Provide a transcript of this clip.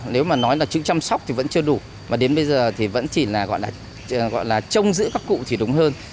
nếu mà nói là chứng chăm sóc thì vẫn chưa đủ mà đến bây giờ thì vẫn chỉ là trông giữ các cụ thì đúng hơn